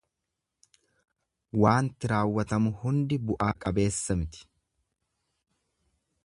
Waanti raawwatamu hundi bu'aa qabeessa miti.